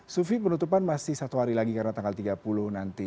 sufi penutupan masih satu hari lagi karena tanggal tiga puluh nanti